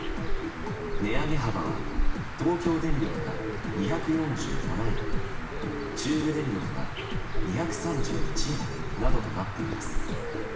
値上げ幅は東京電力が２４７円中部電力が２３１円などとなっています。